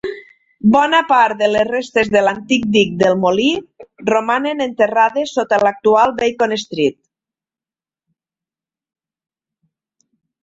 Bona part de les restes de l'antic dic del molí romanen enterrades sota l'actual Beacon Street.